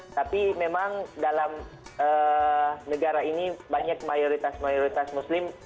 tapi memang dalam negara ini banyak mayoritas mayoritas muslim